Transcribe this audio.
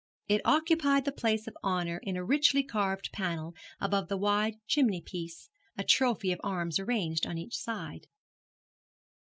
It occupied the place of honour in a richly carved panel above the wide chimney piece, a trophy of arms arranged on each side.